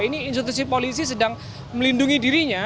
ini institusi polisi sedang melindungi dirinya